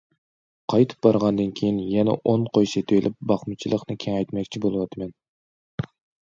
قايتىپ بارغاندىن كېيىن يەنە ئون قوي سېتىۋېلىپ، باقمىچىلىقنى كېڭەيتمەكچى بولۇۋاتىمەن.